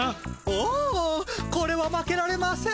おおこれは負けられません。